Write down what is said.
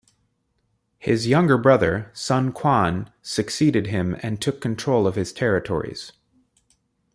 His younger brother, Sun Quan, succeeded him and took control of his territories.